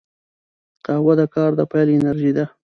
قهوه د کار د پیل انرژي ده